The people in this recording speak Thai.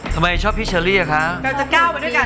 ทำไมชอบพี่เชอรี่อ่ะครับ